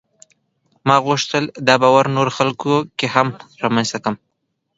ما غوښتل دا باور نورو خلکو کې هم رامنځته کړم.